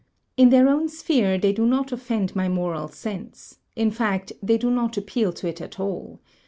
In their own sphere, they do not offend my moral sense; in fact, they do not appeal to it at all.